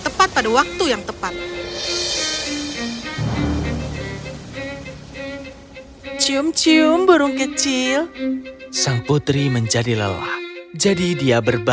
tepat pada waktu yang tepat cium cium burung kecil sang putri menjadi lelah jadi dia